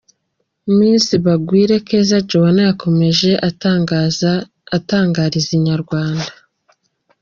Miss Bagwire Keza Joannah yakomeje atangariza Inyarwanda.